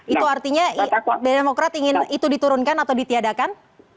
itu artinya demokrat ingin itu diturunkan atau ditiadakan